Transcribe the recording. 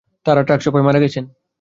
তাঁরা ট্রাকচাপায় মারা গেছেন।